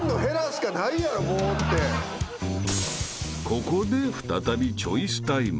［ここで再びチョイスタイム］